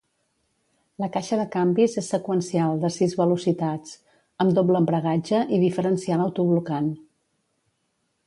La caixa de canvis és seqüencial de sis velocitats, amb doble embragatge i diferencial autoblocant.